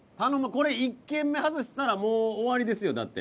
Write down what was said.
これ１軒目外したらもう終わりですよだって。